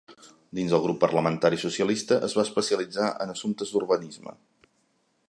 Dins el grup parlamentari socialista es va especialitzar en assumptes d'Urbanisme.